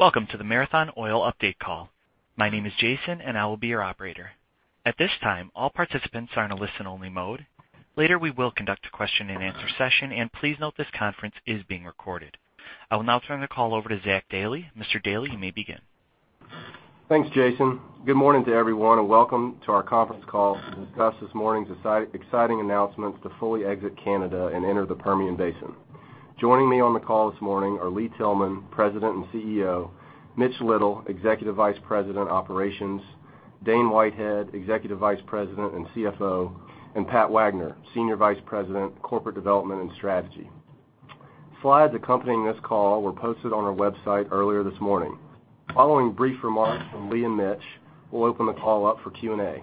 Welcome to the Marathon Oil update call. My name is Jason. I will be your operator. At this time, all participants are in a listen-only mode. Later, we will conduct a question and answer session. Please note this conference is being recorded. I will now turn the call over to Zach Dailey. Mr. Dailey, you may begin. Thanks, Jason. Good morning to everyone. Welcome to our conference call to discuss this morning's exciting announcements to fully exit Canada and enter the Permian Basin. Joining me on the call this morning are Lee Tillman, President and CEO; Mitch Little, Executive Vice President, Operations; Dane Whitehead, Executive Vice President and CFO; and Pat Wagner, Senior Vice President, Corporate Development and Strategy. Slides accompanying this call were posted on our website earlier this morning. Following brief remarks from Lee and Mitch, we'll open the call up for Q&A.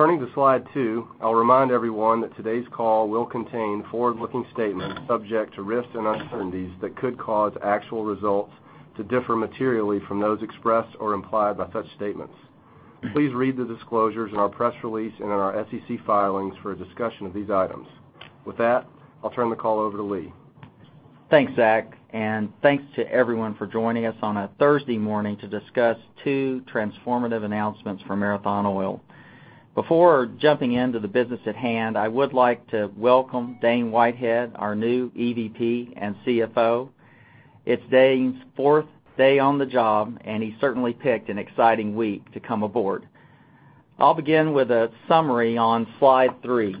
Turning to slide two, I'll remind everyone that today's call will contain forward-looking statements subject to risks and uncertainties that could cause actual results to differ materially from those expressed or implied by such statements. Please read the disclosures in our press release and in our SEC filings for a discussion of these items. With that, I'll turn the call over to Lee. Thanks, Zach. Thanks to everyone for joining us on a Thursday morning to discuss two transformative announcements from Marathon Oil. Before jumping into the business at hand, I would like to welcome Dane Whitehead, our new EVP and CFO. It's Dane's fourth day on the job. He certainly picked an exciting week to come aboard. I'll begin with a summary on slide three.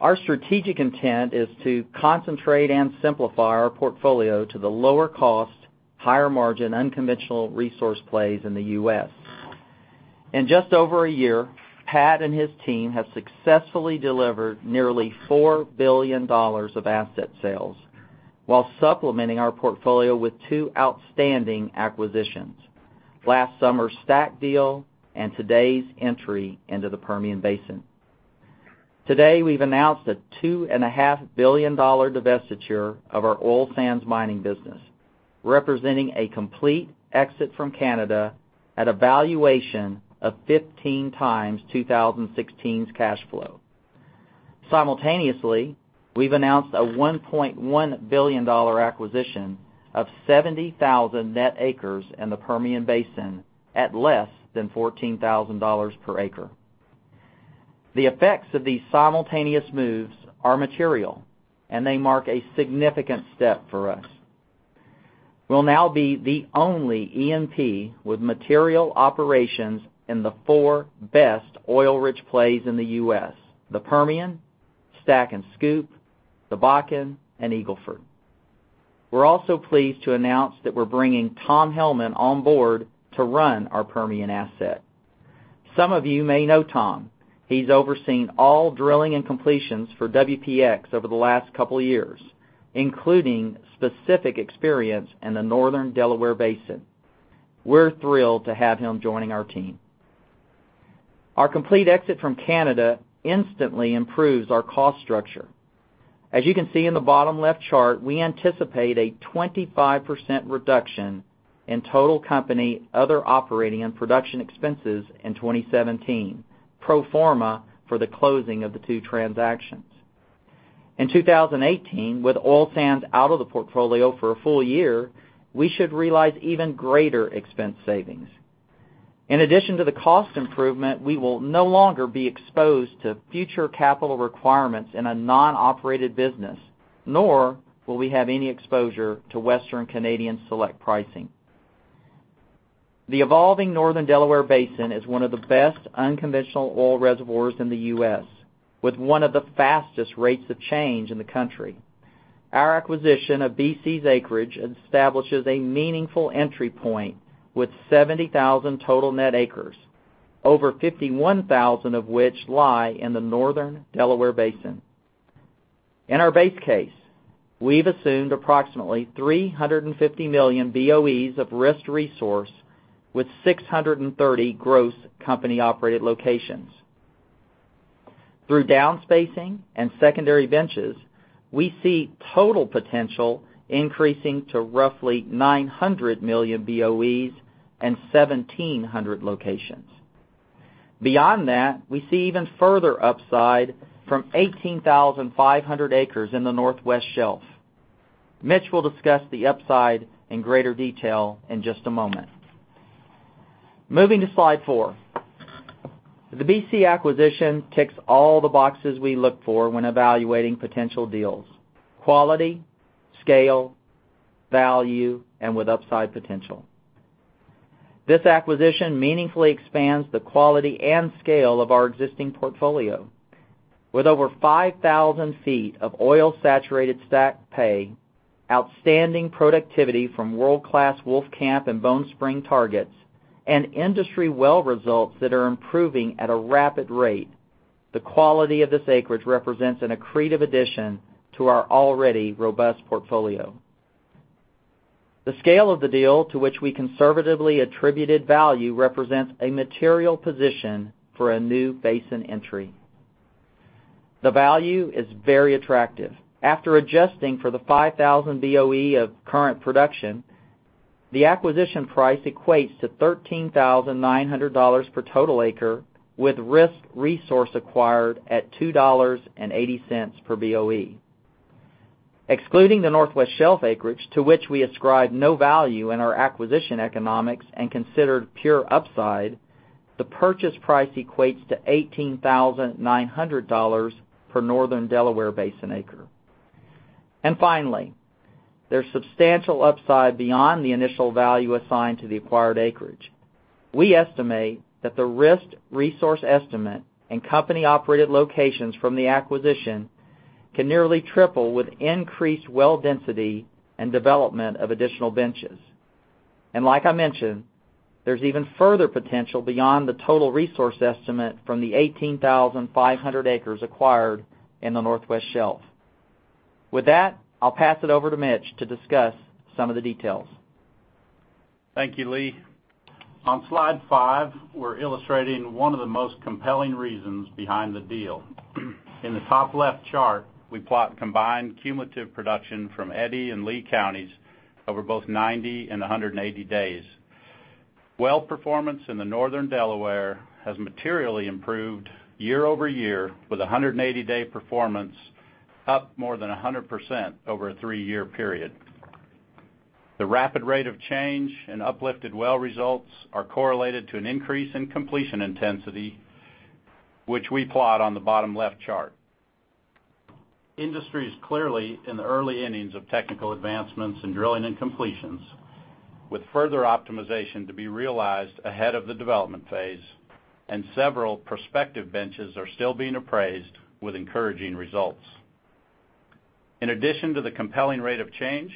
Our strategic intent is to concentrate and simplify our portfolio to the lower cost, higher margin, unconventional resource plays in the U.S. In just over a year, Pat and his team have successfully delivered nearly $4 billion of asset sales while supplementing our portfolio with two outstanding acquisitions: last summer's STACK deal and today's entry into the Permian Basin. Today, we've announced a $2.5 billion divestiture of our oil sands mining business, representing a complete exit from Canada at a valuation of 15 times 2016's cash flow. Simultaneously, we've announced a $1.1 billion acquisition of 70,000 net acres in the Permian Basin at less than $14,000 per acre. The effects of these simultaneous moves are material. They mark a significant step for us. We'll now be the only E&P with material operations in the four best oil-rich plays in the U.S., the Permian, STACK and SCOOP, the Bakken, and Eagle Ford. We're also pleased to announce that we're bringing Tom Hellman on board to run our Permian asset. Some of you may know Tom. He's overseen all drilling and completions for WPX over the last couple of years, including specific experience in the Northern Delaware Basin. We're thrilled to have him joining our team. Our complete exit from Canada instantly improves our cost structure. As you can see in the bottom left chart, we anticipate a 25% reduction in total company other operating and production expenses in 2017, pro forma for the closing of the two transactions. In 2018, with oil sands out of the portfolio for a full year, we should realize even greater expense savings. In addition to the cost improvement, we will no longer be exposed to future capital requirements in a non-operated business, nor will we have any exposure to Western Canadian Select pricing. The evolving Northern Delaware Basin is one of the best unconventional oil reservoirs in the U.S., with one of the fastest rates of change in the country. Our acquisition of BC's acreage establishes a meaningful entry point with 70,000 total net acres, over 51,000 of which lie in the Northern Delaware Basin. In our base case, we've assumed approximately 350 million BOEs of risked resource with 630 gross company-operated locations. Through downspacing and secondary benches, we see total potential increasing to roughly 900 million BOEs and 1,700 locations. Beyond that, we see even further upside from 18,500 acres in the Northwest Shelf. Mitch will discuss the upside in greater detail in just a moment. Moving to slide four. The BC acquisition ticks all the boxes we look for when evaluating potential deals, quality, scale, value, and with upside potential. This acquisition meaningfully expands the quality and scale of our existing portfolio. With over 5,000 ft of oil-saturated stacked pay, outstanding productivity from world-class Wolfcamp and Bone Spring targets, and industry well results that are improving at a rapid rate, the quality of this acreage represents an accretive addition to our already robust portfolio. The scale of the deal to which we conservatively attributed value represents a material position for a new basin entry. The value is very attractive. After adjusting for the 5,000 BOE of current production, the acquisition price equates to $13,900 per total acre, with risked resource acquired at $2.80 per BOE. Excluding the Northwest Shelf acreage, to which we ascribe no value in our acquisition economics and considered pure upside, the purchase price equates to $18,900 per Northern Delaware Basin acre. Finally, there's substantial upside beyond the initial value assigned to the acquired acreage. We estimate that the risked resource estimate and company-operated locations from the acquisition can nearly triple with increased well density and development of additional benches. Like I mentioned, there's even further potential beyond the total resource estimate from the 18,500 acres acquired in the Northwest Shelf. With that, I'll pass it over to Mitch to discuss some of the details. Thank you, Lee. On slide five, we're illustrating one of the most compelling reasons behind the deal. In the top left chart, we plot combined cumulative production from Eddy and Lea counties over both 90 and 180 days. Well performance in the northern Delaware has materially improved year-over-year, with 180-day performance up more than 100% over a three-year period. The rapid rate of change in uplifted well results are correlated to an increase in completion intensity, which we plot on the bottom left chart. Industry is clearly in the early innings of technical advancements in drilling and completions, with further optimization to be realized ahead of the development phase, and several prospective benches are still being appraised with encouraging results. In addition to the compelling rate of change,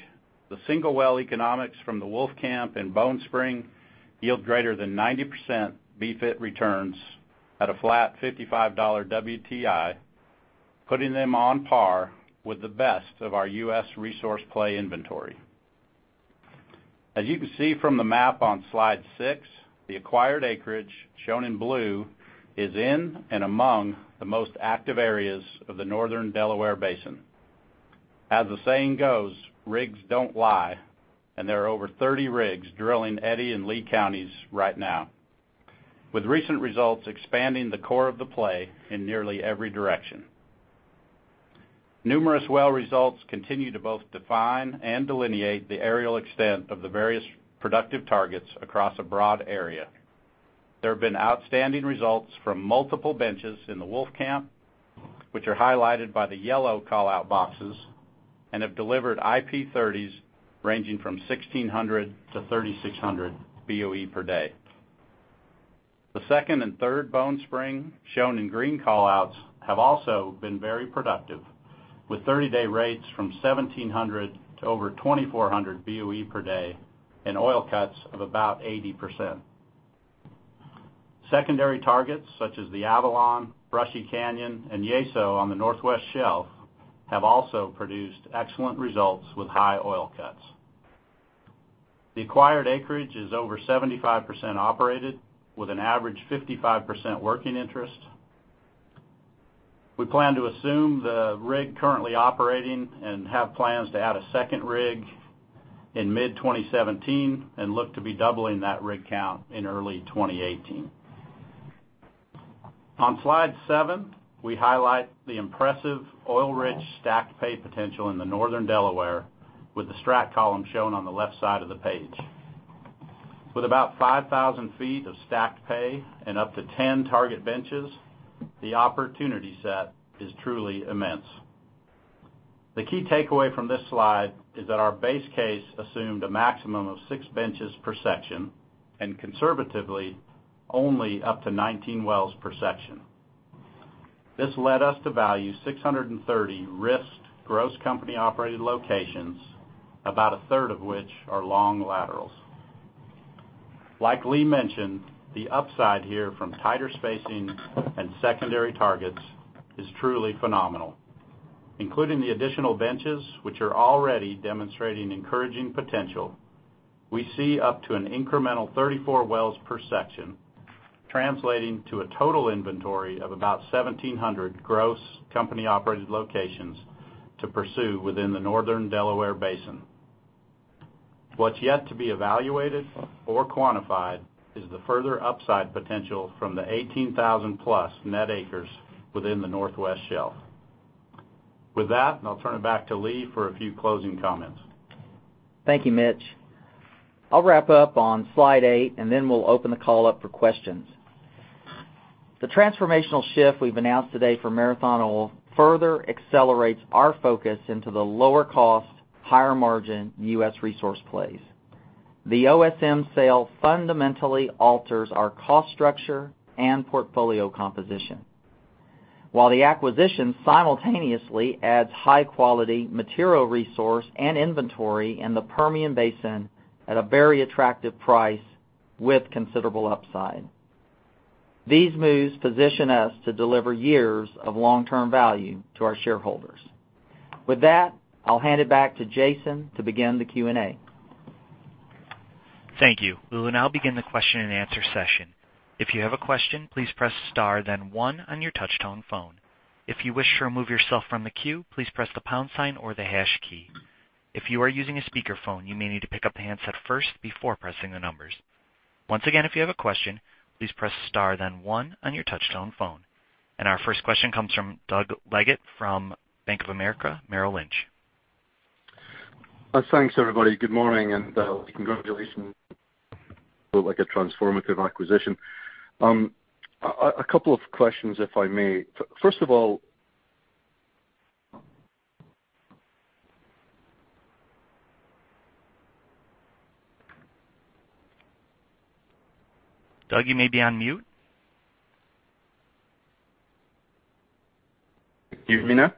the single well economics from the Wolfcamp and Bone Spring yield greater than 90% BTAX returns at a flat $55 WTI, putting them on par with the best of our U.S. resource play inventory. As you can see from the map on slide six, the acquired acreage, shown in blue, is in and among the most active areas of the Northern Delaware Basin. As the saying goes, rigs don't lie, and there are over 30 rigs drilling Eddy and Lea counties right now, with recent results expanding the core of the play in nearly every direction. Numerous well results continue to both define and delineate the aerial extent of the various productive targets across a broad area. There have been outstanding results from multiple benches in the Wolfcamp, which are highlighted by the yellow call-out boxes, and have delivered IP30s ranging from 1,600 to 3,600 BOE per day. The second and third Bone Spring, shown in green call-outs, have also been very productive, with 30-day rates from 1,700 to over 2,400 BOE per day and oil cuts of about 80%. Secondary targets such as the Avalon, Brushy Canyon, and Yeso on the Northwest Shelf have also produced excellent results with high oil cuts. The acquired acreage is over 75% operated with an average 55% working interest. We plan to assume the rig currently operating and have plans to add a second rig in mid 2017 and look to be doubling that rig count in early 2018. On slide seven, we highlight the impressive oil-rich stacked pay potential in the Northern Delaware with the stratigraphic column shown on the left side of the page. With about 5,000 ft of stacked pay and up to 10 target benches, the opportunity set is truly immense. The key takeaway from this slide is that our base case assumed a maximum of six benches per section, and conservatively, only up to 19 wells per section. This led us to value 630 risked gross company-operated locations, about a third of which are long laterals. Like Lee mentioned, the upside here from tighter spacing and secondary targets is truly phenomenal. Including the additional benches, which are already demonstrating encouraging potential, we see up to an incremental 34 wells per section, translating to a total inventory of about 1,700 gross company-operated locations to pursue within the Northern Delaware Basin. What's yet to be evaluated or quantified is the further upside potential from the 18,000 plus net acres within the Northwest Shelf. With that, I'll turn it back to Lee for a few closing comments. Thank you, Mitch. I'll wrap up on slide eight. Then we'll open the call up for questions. The transformational shift we've announced today for Marathon Oil further accelerates our focus into the lower cost, higher margin U.S. resource plays. The OSM sale fundamentally alters our cost structure and portfolio composition, while the acquisition simultaneously adds high quality material resource and inventory in the Permian Basin at a very attractive price with considerable upside. These moves position us to deliver years of long-term value to our shareholders. With that, I'll hand it back to Jason to begin the Q&A. Thank you. We will now begin the question and answer session. If you have a question, please press star then one on your touch-tone phone. If you wish to remove yourself from the queue, please press the pound sign or the hash key. If you are using a speakerphone, you may need to pick up the handset first before pressing the numbers. Once again, if you have a question, please press star then one on your touch-tone phone. Our first question comes from Doug Leggate from Bank of America Merrill Lynch. Thanks, everybody. Good morning, and congratulations. Felt like a transformative acquisition. A couple of questions, if I may. First of all Doug, you may be on mute. Can you hear me now?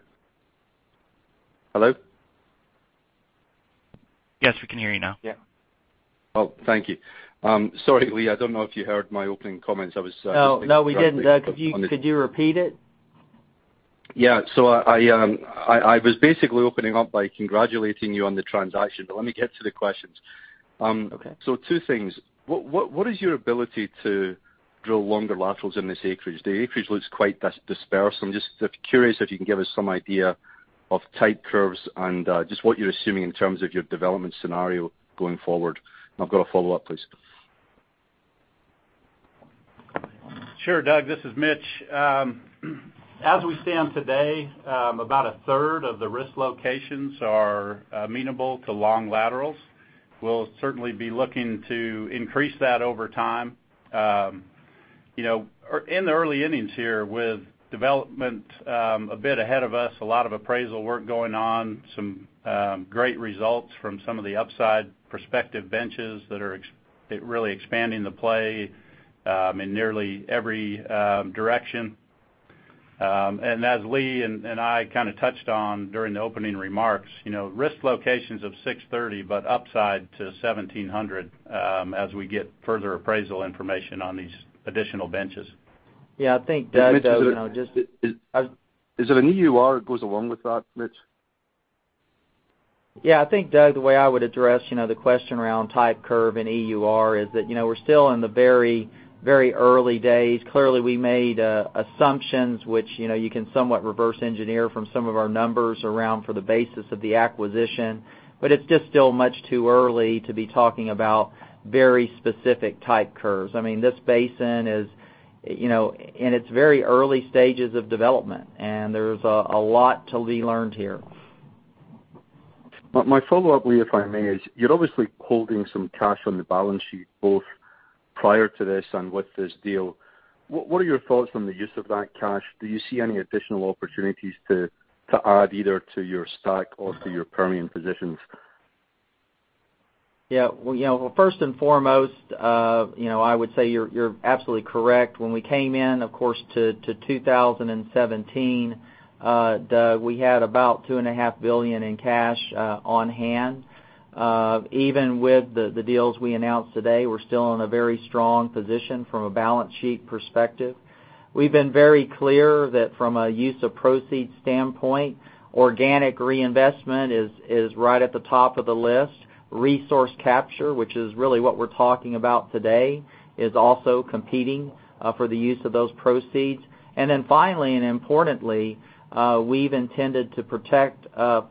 Hello? Yes, we can hear you now. Yeah. Oh, thank you. Sorry, Lee, I don't know if you heard my opening comments. No, we didn't, Doug. Could you repeat it? Yeah. I was basically opening up by congratulating you on the transaction, let me get to the questions. Okay. Two things. What is your ability to drill longer laterals in this acreage? The acreage looks quite disperse. I'm just curious if you can give us some idea of type curves and just what you're assuming in terms of your development scenario going forward. I've got a follow-up, please. Sure, Doug. This is Mitch. As we stand today, about a third of the risk locations are amenable to long laterals. We'll certainly be looking to increase that over time. In the early innings here with development a bit ahead of us, a lot of appraisal work going on, some great results from some of the upside prospective benches that are really expanding the play in nearly every direction. As Lee and I touched on during the opening remarks, risk locations of 630 but upside to 1,700 as we get further appraisal information on these additional benches. Yeah, I think, Doug, though. Mitch, is it an EUR that goes along with that, Mitch? Yeah. I think, Doug, the way I would address the question around type curve and EUR is that we're still in the very early days. Clearly, we made assumptions which you can somewhat reverse engineer from some of our numbers around for the basis of the acquisition. It's just still much too early to be talking about very specific type curves. This basin is in its very early stages of development, and there's a lot to be learned here. My follow-up, Lee, if I may, is you're obviously holding some cash on the balance sheet, both prior to this and with this deal. What are your thoughts on the use of that cash? Do you see any additional opportunities to add either to your STACK or to your Permian positions? Yeah. First and foremost, I would say you're absolutely correct. When we came in, of course, to 2017, Doug, we had about two and a half billion in cash on hand. Even with the deals we announced today, we're still in a very strong position from a balance sheet perspective. We've been very clear that from a use of proceeds standpoint, organic reinvestment is right at the top of the list. Resource capture, which is really what we're talking about today, is also competing for the use of those proceeds. Finally, and importantly, we've intended to protect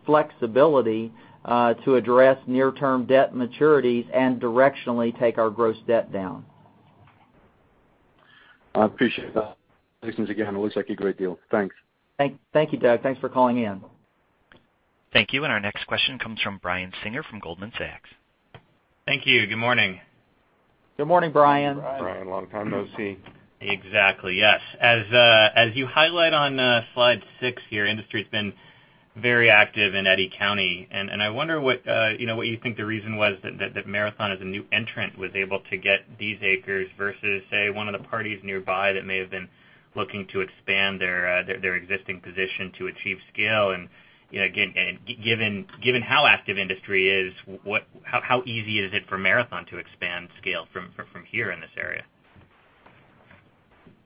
flexibility to address near-term debt maturities and directionally take our gross debt down. I appreciate that. Listen, again, it looks like a great deal. Thanks. Thank you, Doug. Thanks for calling in. Thank you. Our next question comes from Brian Singer from Goldman Sachs. Thank you. Good morning. Good morning, Brian. Brian, long time no see. Exactly, yes. As you highlight on slide six here, industry's been very active in Eddy County. I wonder what you think the reason was that Marathon as a new entrant was able to get these acres versus, say, one of the parties nearby that may have been looking to expand their existing position to achieve scale. Given how active industry is, how easy is it for Marathon to expand scale from here in this area?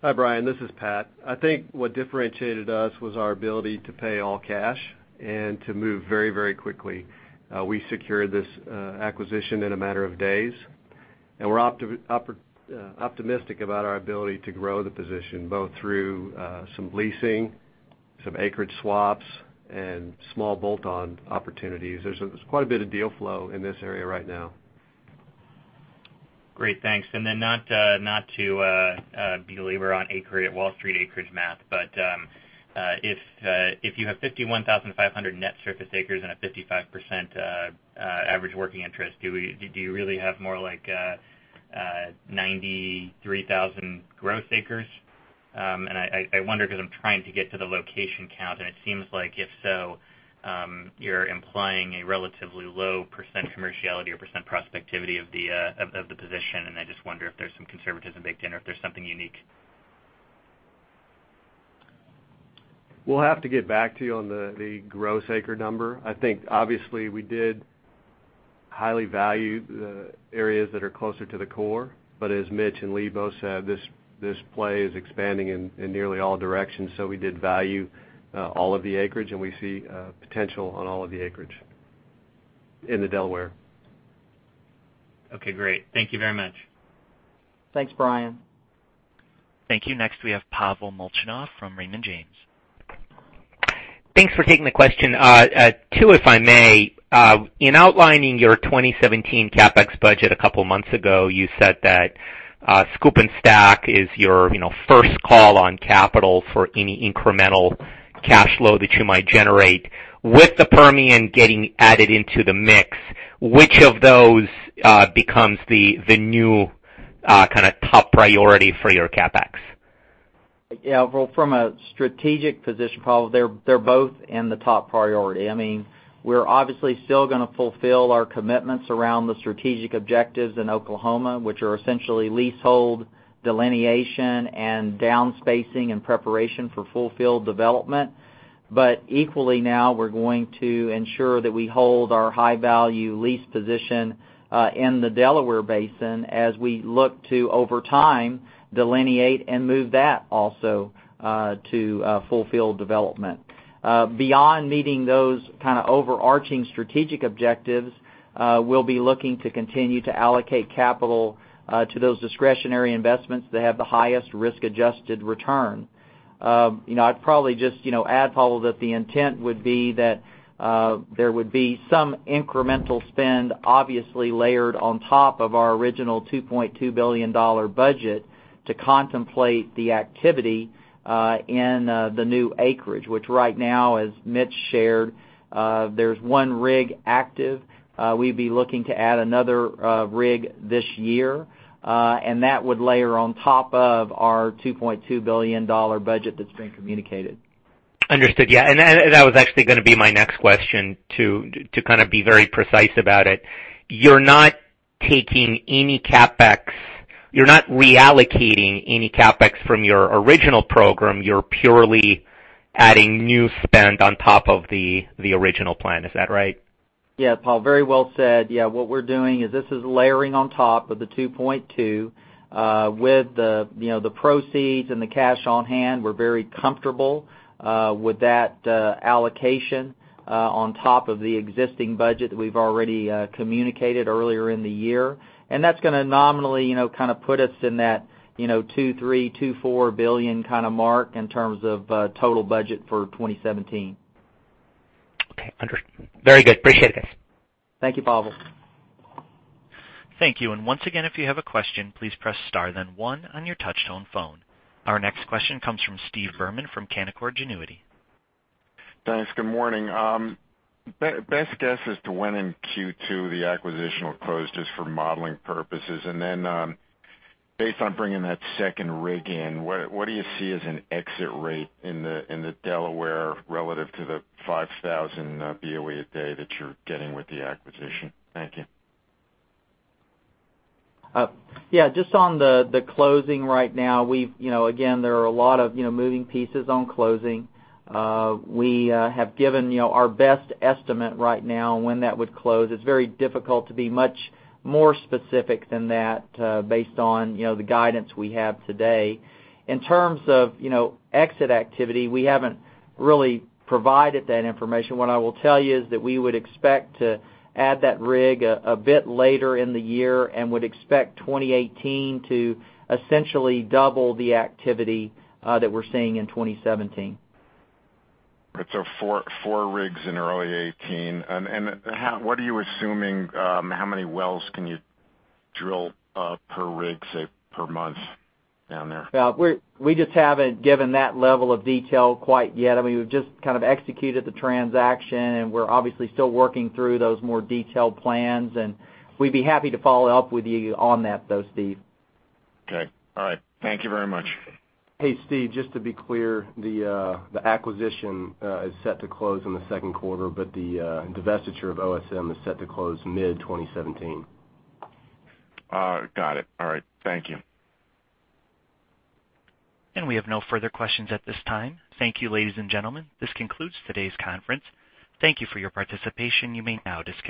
Hi, Brian. This is Pat. I think what differentiated us was our ability to pay all cash and to move very quickly. We secured this acquisition in a matter of days. We're optimistic about our ability to grow the position, both through some leasing, some acreage swaps, and small bolt-on opportunities. There's quite a bit of deal flow in this area right now. Great. Thanks. Then not to be a labor on acreage at Wall Street acreage math, but if you have 51,500 net surface acres and a 55% average working interest, do you really have more like 93,000 gross acres? I wonder because I'm trying to get to the location count. It seems like if so, you're implying a relatively low % commerciality or % prospectivity of the position. I just wonder if there's some conservatism baked in or if there's something unique. We'll have to get back to you on the gross acre number. I think obviously we did highly value the areas that are closer to the core. As Mitch and Lee both said, this play is expanding in nearly all directions. We did value all of the acreage. We see potential on all of the acreage in the Delaware. Okay, great. Thank you very much. Thanks, Brian. Thank you. Next, we have Pavel Molchanov from Raymond James. Thanks for taking the question. Two, if I may. In outlining your 2017 CapEx budget a couple of months ago, you said that SCOOP and STACK is your first call on capital for any incremental cash flow that you might generate. With the Permian getting added into the mix, which of those becomes the new kind of top priority for your CapEx? Well, from a strategic position, Pavel, they're both in the top priority. We're obviously still going to fulfill our commitments around the strategic objectives in Oklahoma, which are essentially leasehold delineation and downspacing in preparation for full field development. Equally now, we're going to ensure that we hold our high-value lease position in the Delaware Basin as we look to, over time, delineate and move that also to full field development. Beyond meeting those kind of overarching strategic objectives, we'll be looking to continue to allocate capital to those discretionary investments that have the highest risk-adjusted return. I'd probably just add, Pavel, that the intent would be that there would be some incremental spend, obviously layered on top of our original $2.2 billion budget to contemplate the activity in the new acreage, which right now, as Mitch shared, there's one rig active. We'd be looking to add another rig this year, That would layer on top of our $2.2 billion budget that's been communicated. Understood. That was actually going to be my next question to kind of be very precise about it. You're not taking any CapEx. You're not reallocating any CapEx from your original program. You're purely adding new spend on top of the original plan. Is that right? Pavel, very well said. What we're doing is this is layering on top of the $2.2 billion, with the proceeds and the cash on hand. We're very comfortable with that allocation on top of the existing budget that we've already communicated earlier in the year. That's going to nominally kind of put us in that $2.3 billion-$2.4 billion kind of mark in terms of total budget for 2017. Okay. Very good. Appreciate it, guys. Thank you, Pavel. Thank you. Once again, if you have a question, please press star then one on your touch-tone phone. Our next question comes from Stephen Berman from Canaccord Genuity. Thanks. Good morning. Best guess as to when in Q2 the acquisition will close, just for modeling purposes. Then based on bringing that second rig in, what do you see as an exit rate in the Delaware relative to the 5,000 BOE a day that you're getting with the acquisition? Thank you. Just on the closing right now, again, there are a lot of moving pieces on closing. We have given our best estimate right now when that would close. It's very difficult to be much more specific than that based on the guidance we have today. In terms of exit activity, we haven't really provided that information. What I will tell you is that we would expect to add that rig a bit later in the year and would expect 2018 to essentially double the activity that we're seeing in 2017. Right. Four rigs in early 2018. What are you assuming how many wells can you drill per rig, say, per month down there? We just haven't given that level of detail quite yet. We've just kind of executed the transaction, and we're obviously still working through those more detailed plans, and we'd be happy to follow up with you on that, though, Steve. Okay. All right. Thank you very much. Hey, Steve, just to be clear, the acquisition is set to close in the second quarter, the divestiture of OSM is set to close mid-2017. Got it. All right. Thank you. We have no further questions at this time. Thank you, ladies and gentlemen. This concludes today's conference. Thank you for your participation. You may now disconnect.